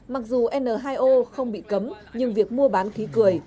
mặc dù n hai o không bị cấm nhưng việc mua bán khí cười